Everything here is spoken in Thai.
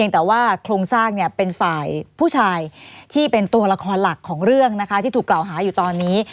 แต่ว่าโครงสร้างเนี่ยเป็นฝ่ายผู้ชายที่เป็นตัวละครหลักของเรื่องนะคะที่ถูกกล่าวหาอยู่ตอนนี้